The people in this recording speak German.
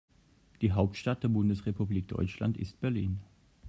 Die Hauptstadt der Bundesrepublik Deutschland ist Berlin